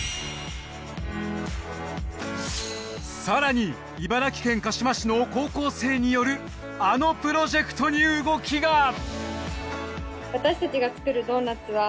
更に茨城県鹿嶋市の高校生によるあのプロジェクトに動きが。